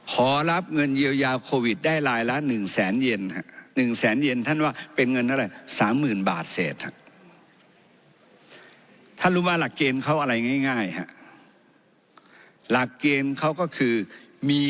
ขอรับเงินเยียวยาโควิดได้รายละหนึ่งแสนเย็นครับ